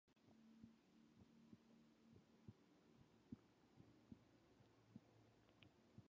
Many of the characters have attended or worked there over the years.